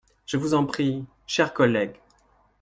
Je vous en prie, cher collègue.